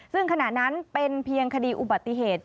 ซึ่งขณะนั้นเป็นเพียงคดีอุบัติเหตุ